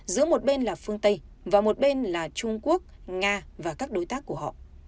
giữa một bên là phương tây và một bên là trung quốc nga và các đối tác của họ